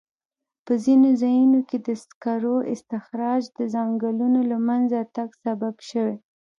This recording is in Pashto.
په ځینو ځایونو کې د سکرو استخراج د ځنګلونو له منځه تګ سبب شوی.